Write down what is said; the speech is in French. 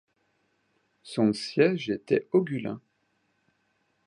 Son siège était Ogulin.